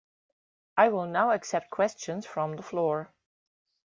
I will now accept questions from the floor.